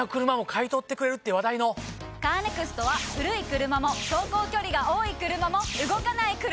カーネクストは古い車も走行距離が多い車も動かない車でも。